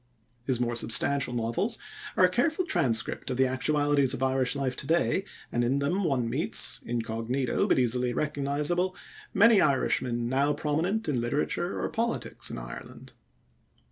His more substantial novels are a careful transcript of the actualities of Irish life today, and in them one meets, incognito but easily recognizable, many Irishmen now prominent in literature or politics in Ireland.